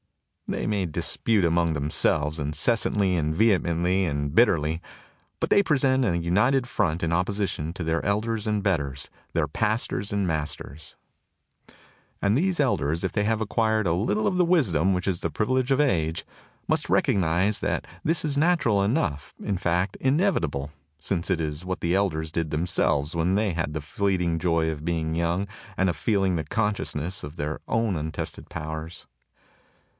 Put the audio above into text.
They may dispute among themselves inces santly and vehemently and bitterly; but they present a united front in opposition to their elders and betters, their pastors and masters. And these elders, if they have acquired a little of the wisdom which is the privilege of age, must 5 THE TOCSIN OF REVOLT recognize that this is natural enough, in fact, in evitable, since it is what the elders did them selves when they had the fleeting joy of being young and of feeling the consciousness of their own untested powers.